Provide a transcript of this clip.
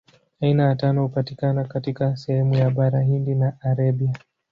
Aina ya tano hupatikana katika sehemu ya Bara Hindi na Arabia.